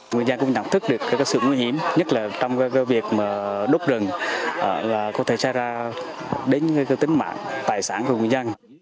nguyên nhân cũng nhận thức được sự nguy hiểm nhất là trong việc đốt rừng có thể trai ra đến tính mạng tài sản của nguyên nhân